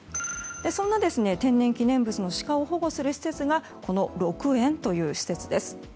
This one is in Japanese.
そんな天然記念物のシカを保護する施設がこの鹿苑という施設です。